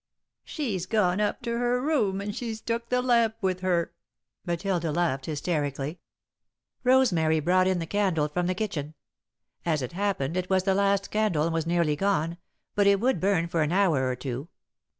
"She's gone up to her room and she's took the lamp with her," Matilda laughed, hysterically. [Sidenote: Aunt Matilda's Troubles] Rosemary brought in the candle from the kitchen. As it happened, it was the last candle and was nearly gone, but it would burn for an hour or two.